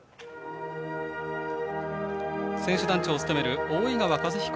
選手団長を務める大井川和彦